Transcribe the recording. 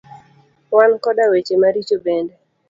Wan koda weche maricho bende.